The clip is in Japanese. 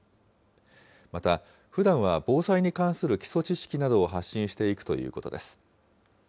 また、ふだんは防災に関する基礎知識などを発信していくということです。